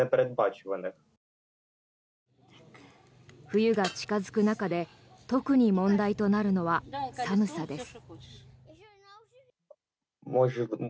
冬が近付く中で特に問題となるのは寒さです。